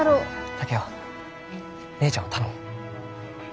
竹雄姉ちゃんを頼む。